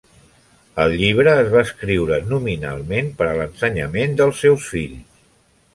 El llibre es va escriure nominalment per a l'ensenyament dels seus fills.